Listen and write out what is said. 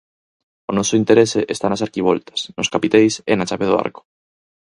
O noso interese está nas arquivoltas, nos capiteis e na chave do arco.